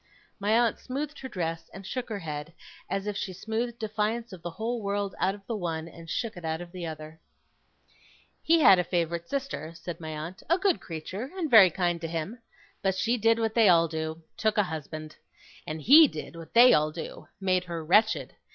My aunt smoothed her dress and shook her head, as if she smoothed defiance of the whole world out of the one, and shook it out of the other. 'He had a favourite sister,' said my aunt, 'a good creature, and very kind to him. But she did what they all do took a husband. And HE did what they all do made her wretched.